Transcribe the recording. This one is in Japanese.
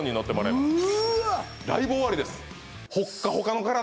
うわっライブ終わりです